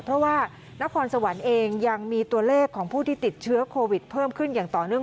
เพราะว่านครสวรรค์เองยังมีตัวเลขของผู้ที่ติดเชื้อโควิดเพิ่มขึ้นอย่างต่อเนื่อง